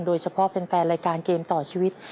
โดยเฉพาะแฟนรายการเกมต่อชีวิต